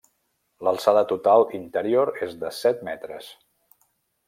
L'alçada total interior és de set metres.